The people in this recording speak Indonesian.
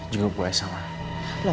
juga bu aisyah ma